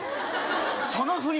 その振り